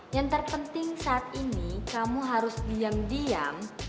yang terpenting saat ini kamu harus diam diam